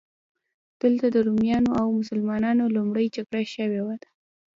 دلته د رومیانو او مسلمانانو لومړۍ جګړه شوې ده.